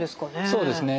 そうですね。